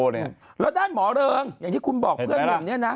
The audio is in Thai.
แล้วด้านหมอเริงอย่างที่คุณบอกเพื่อนหนุ่มเนี่ยนะ